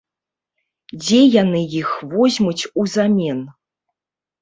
Дзе яны іх возьмуць узамен?